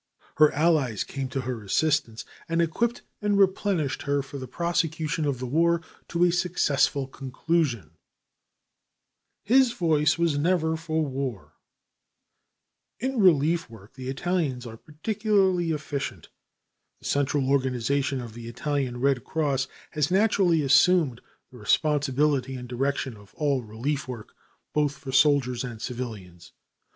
Her allies came to her assistance, and equipped and replenished her for the prosecution of the war to a successful conclusion. [Illustration: A HUMBLE FOUR FOOTED CITIZEN OF ROME His voice was never for war Photograph by E. M. Newman] In relief work the Italians are particularly efficient. The central organization of the Italian Red Cross has naturally assumed the responsibility and direction of all relief work, both for soldiers and civilians.